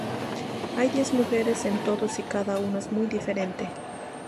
Hay diez mujeres en todos y cada uno es muy diferente.